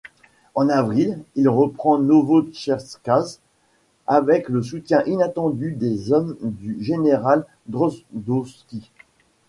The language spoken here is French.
En avril il reprend Novotcherkassk avec le soutien inattendu des hommes du général Drozdovski.